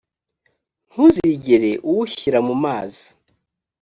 ntuzigere uwushyira mu mazi